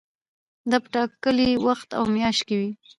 دا په ټاکلي وخت او میاشت کې وي.